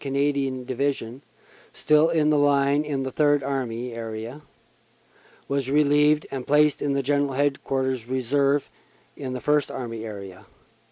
Canadian Division, still in the line in the Third Army area, was relieved and placed in General Headquarters Reserve in the First Army area.